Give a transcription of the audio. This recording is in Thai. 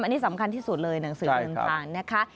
อันนี้สำคัญที่สุดเลยหนังสือเดินทางนะคะ